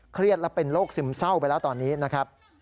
เครียดและเป็นโรคซึมเศร้าไปแล้วตอนนี้นะครับ